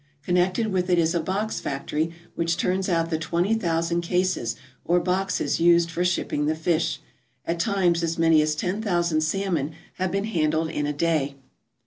Connected >with it is a box factory which turns out the twenty thousand cases or boxes used for shipping the fish. At times as many as ten thousand salmon have been handled in a day.